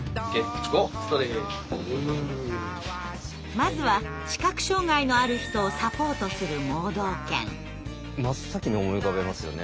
まずは視覚障害のある人をサポートする真っ先に思い浮かべますよね。